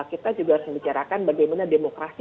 kita juga harus membicarakan bagaimana demokrasi